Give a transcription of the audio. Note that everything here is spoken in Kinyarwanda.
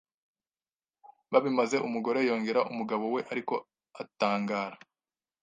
Babimaze umugore yongera umugabo we ariko atangara